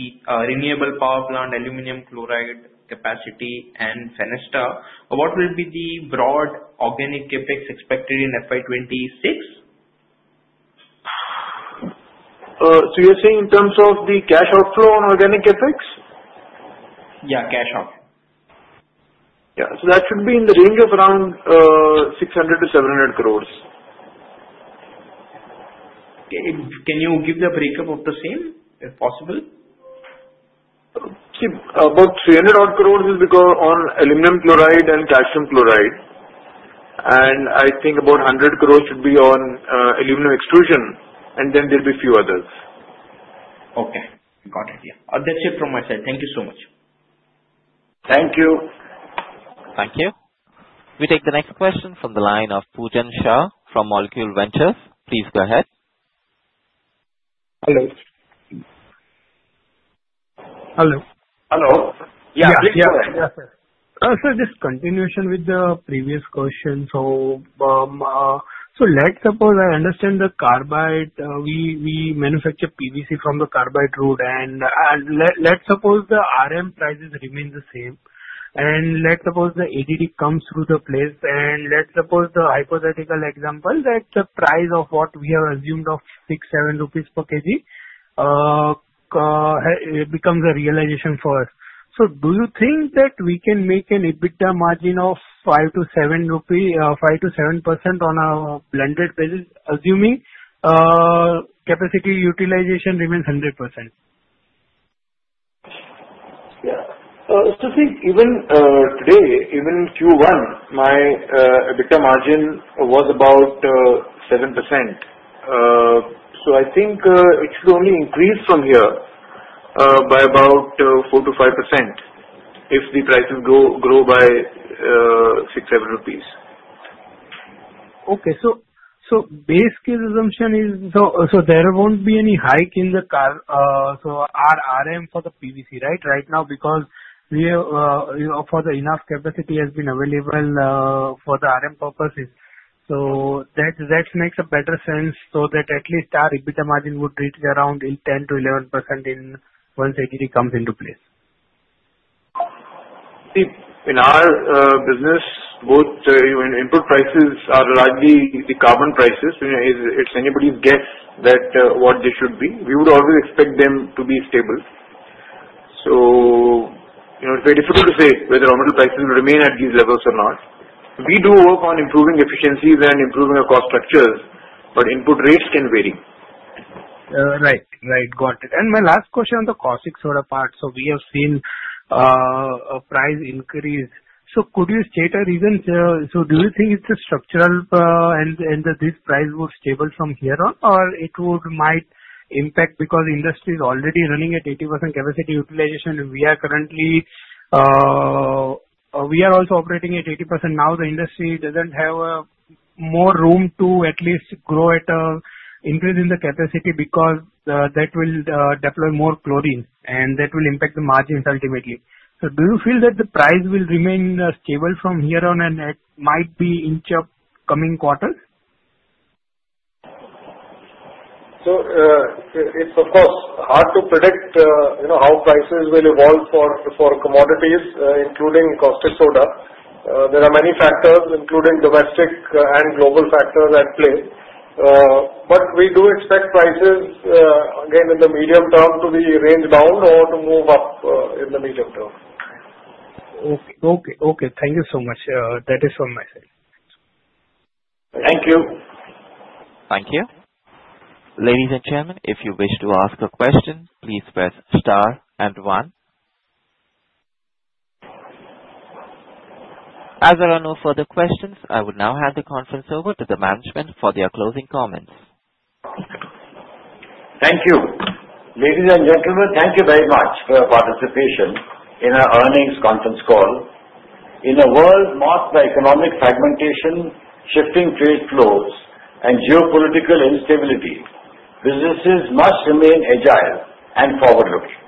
renewable power plant, aluminum chloride capacity, and Fenesta, what will be the broad organic CapEx expected in FY2026? You are saying in terms of. The cash outflow on organic capex? Yeah, cash outflow. That should be in the range of around 600 to 700 crore. Can you give the breakup of the same if possible? About 300 crore. Is on aluminum chloride and calcium chloride, and I think about 100 crore should be on aluminum extrusion, and then there will be few others. Okay, got it. That's it. From my side. Thank you so much. Thank you. Thank you. We take the next question from the line of Poojan Shah from Molecule Ventures. Please go ahead. Hello. Hello. Hello. Yeah, this is a continuation with the previous question. I understand the carbide. We manufacture PVC from the carbide route. Let's suppose the RM prices remain the same. Let's suppose the add comes through the place. Let's suppose the hypothetical example that the price of what we have assumed of 6.00 rupees, 7.00 per kilogram. Becomes. A realization for us. Do you think that we can make an EBITDA margin of 5 to 7 or 5 to 7% on a blended basis assuming capacity utilization remains 100%? I think even today, even Q1 my. EBITDA margin was about 7%. I think it should only increase from here by about 4 to 5% if the prices go grow by 6.7 rupees. Okay, so base case assumption is there won't be any hike in the CARM for the PVC. Right. Right now because we for the enough capacity has been available for the RM purposes. That makes a better sense so that at least our EBITDA margin would reach around 10% to 11% once aggregate comes into place. See, in our business both input prices are largely the carbon prices. It's anybody's guess what they should be. We would always expect them to be stable. It is very difficult to say whether or not prices remain at these levels. We do work on improving efficiencies and improving our cost structures, but input rates can vary. Right, right, got it. My last question on the caustic soda part. We have seen a price increase. Could you state a reason? Do you think it's structural and this price will be stable from here on or might it impact because industry is already running at 80% capacity utilization and we are currently. We are. Also, operating at 80% now, the industry doesn't have more room to at least grow at an increase in the capacity because that will deploy more chlorine, and that will impact the margins ultimately. Do you feel that the price will remain stable from here on, and it might inch up in coming quarters? It's of course hard to predict how prices will evolve for commodities including caustic soda. There are many factors including domestic and global factors at play, but we do expect prices again in the medium term to be range bound or to move up in the medium term. Okay, thank you so much. That is from my side. Thank you. Thank you, ladies and gentlemen. If you wish to ask a question, please press star and 1. As there are no further questions, I would now hand the conference over to the management for their closing comments. Thank you, ladies and gentlemen, thank you very much for your participation in our earnings conference call. In a world marked by economic fragmentation, shifting trade flows, and geopolitical instability, businesses must remain agile and forward looking.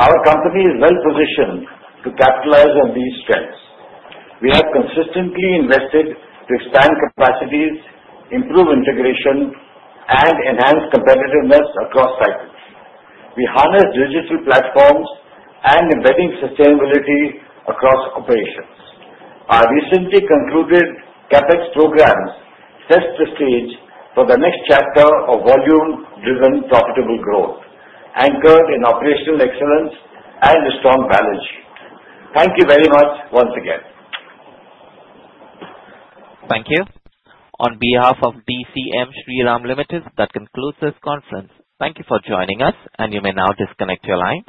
Our company is well positioned to capitalize on these strengths. We have consistently invested to expand capacities, improve integration, and enhance competitiveness across cycles. We harness digital platforms and are embedding sustainability across operations. Our recently concluded CapEx programs set the stage for the next chapter of volume-driven profitable growth anchored in operational excellence and a strong balance sheet. Thank you very much once again. Thank you on behalf of DCM Shriram Ltd. That concludes this conference. Thank you for joining us, and you may now disconnect your lines.